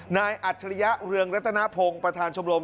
นายอัจฉริยะเรืองรัตนาโพงประธานชมรม